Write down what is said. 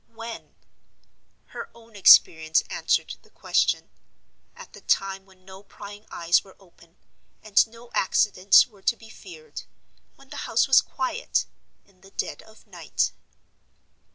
When? Her own experience answered the question. At the time when no prying eyes were open, and no accidents were to be feared—when the house was quiet—in the dead of night.